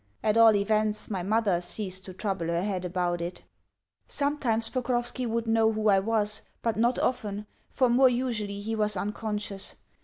At all events my mother ceased to trouble her head about it. Sometimes Pokrovski would know who I was, but not often, for more usually he was unconscious.